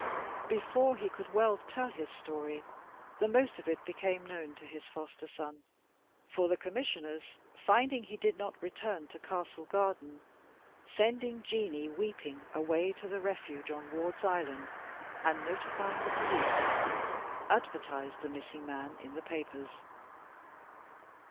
Before he could well tell his story, the most of it became known to his foster son, for the Commissioners, finding he did not return to Castle Garden, sending Jeanie weeping away to the Refuge on Ward's Island, and notifying the police, advertised the missing man in the papers.